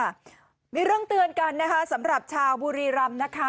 เรื่องเตือนกันนะคะสำหรับชาวบุรีรำนะคะ